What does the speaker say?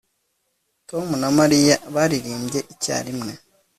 Tom na Mariya baririmbye icyarimwe